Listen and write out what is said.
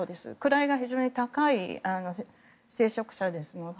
位が非常に高い聖職者なので